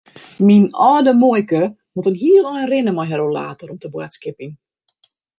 Myn âlde muoike moat in heel ein rinne mei har rollator om te boadskipjen.